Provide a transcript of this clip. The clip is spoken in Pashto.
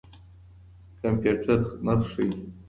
کمپيوټر نرخ ښيي.